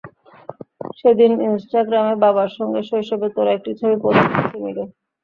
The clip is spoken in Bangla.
সেদিন ইনস্টাগ্রামে বাবার সঙ্গে শৈশবে তোলা একটি ছবি পোস্ট করেছে মিডো।